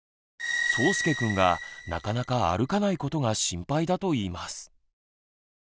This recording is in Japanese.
そうすけくんがなかなか歩かないことが心配だといいます。